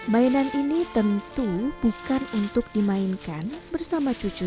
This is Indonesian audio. mainan ini tentu bukan untuk dimainkan bersama cucu